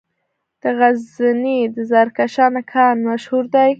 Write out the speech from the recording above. د غزني د زرکشان کان مشهور دی